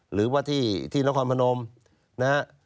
หรือว่าที่นครพนมนะฮะ